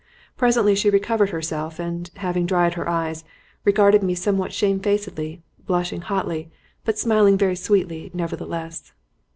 Presently she recovered herself, and, having dried her eyes, regarded me somewhat shamefacedly, blushing hotly, but smiling very sweetly nevertheless.